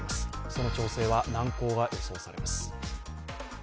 その調整は難航が予想されます。